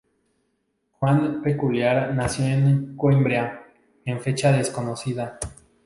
Juan Peculiar nació en Coímbra, en fecha desconocida.